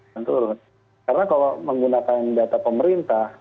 karena kalau menggunakan data pemerintah